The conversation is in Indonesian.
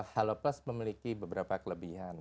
halo plus memiliki beberapa kelebihan